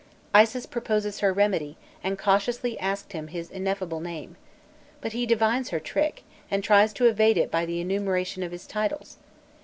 Isis proposes her remedy, and cautiously asks him his ineffable name. But he divines her trick, and tries to evade it by an enumeration of his titles.